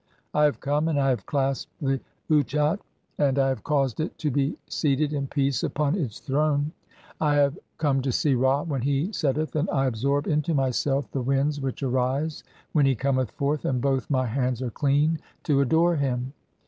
I have come and I have clasped the l/tchat, (45) and "I have caused it to be seated in peace upon its throne. I have "come to see Ra when he setteth, and I absorb into myself the "winds [which arise] (46) when he cometh forth, and both my "hands are clean to adore him.